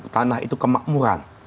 tanah itu kemakmuran